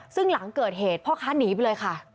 ซึ่งหลังเกิดเหตุพ่อค้าหนีไปเลยค่ะ